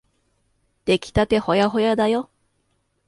できたてほやほやだよ。